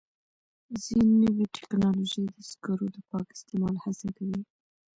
ځینې نوې ټکنالوژۍ د سکرو د پاک استعمال هڅه کوي.